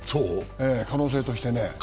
可能性としてね。